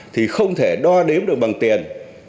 thì không thể đo đếm được bằng tiền